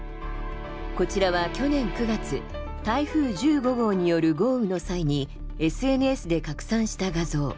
こちらは去年９月台風１５号による豪雨の際にＳＮＳで拡散した画像。